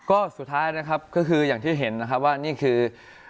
ก็สุดท้ายนะครับก็คืออย่างที่เห็นนะครับว่านี่คือ